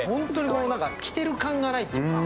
着てる感じがないというか